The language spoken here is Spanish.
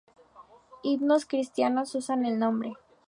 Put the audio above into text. Himnos cristianos usan el nombre.